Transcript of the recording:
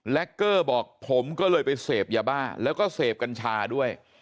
และเกอร์บอกผมก็เลยไปเสพยาบ้าแล้วก็เสพกัญชาด้วย